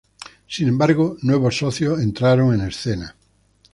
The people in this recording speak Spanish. Sin embargo, nuevos socios entraron en escena.